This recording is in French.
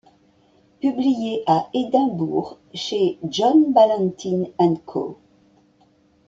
Publié à Édimbourg chez John Ballantyne & Co.